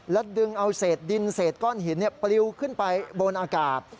ดึงเอาเศษดินเศษก้อนหินปลิวขึ้นไปบนอากาศ